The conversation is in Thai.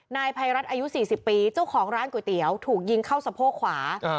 นายภัยรัฐอายุ๔๐ปีเจ้าของร้านก๋วยเตี๋ยวถูกยิงเข้าสะโพกขวา